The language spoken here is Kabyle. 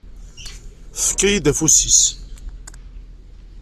Tefka-yi-d afus-is.